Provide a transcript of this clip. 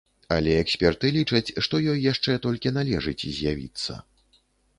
Але эксперты лічаць, што ёй яшчэ толькі належыць з'явіцца.